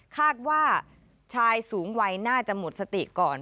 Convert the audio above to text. คาดว่าชายสูงวัยน่าจะหมดสติก่อน